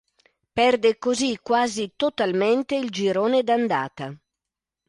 Perde così quasi totalmente il girone d’andata.